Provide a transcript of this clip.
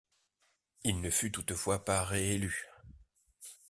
Il ne fut toutefois pas réélu.